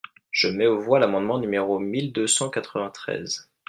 Je mets aux voix l’amendement numéro mille deux cent quatre-vingt-treize.